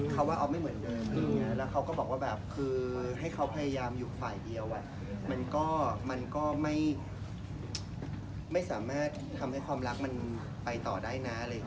เขาก็บอกว่าไปอย่างเดียวไม่สามารถทำให้ความรักไปต่อได้นะ